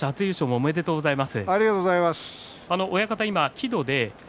ありがとうございます。